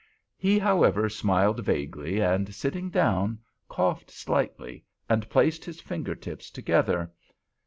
He, however, smiled vaguely and, sitting down, coughed slightly, and placed his fingertips together.